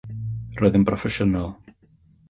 Roedd yn broffesiynol.